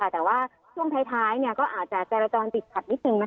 แต่ว่าช่วงท้ายก็อาจจะจรจรติดขัดนิดนึง